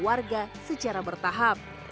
warga secara bertahap